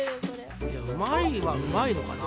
いやうまいはうまいのかな。